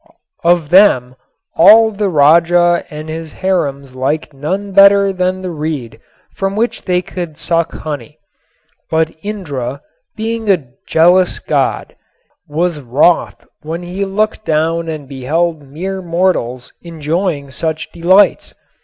Of them all the Raja and his harems liked none better than the reed from which they could suck honey. But Indra, being a jealous god, was wroth when he looked down and beheld mere mortals enjoying such delights.